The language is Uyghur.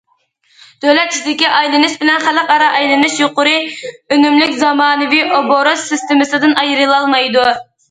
دۆلەت ئىچىدىكى ئايلىنىش بىلەن خەلقئارا ئايلىنىش يۇقىرى ئۈنۈملۈك زامانىۋى ئوبوروت سىستېمىسىدىن ئايرىلالمايدۇ.